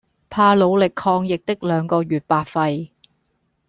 怕努力抗疫的兩個月白費